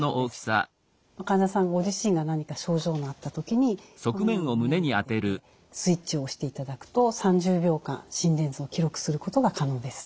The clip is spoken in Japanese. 患者さんご自身が何か症状のあった時にこのように胸に当ててスイッチを押していただくと３０秒間心電図を記録することが可能です。